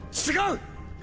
違う！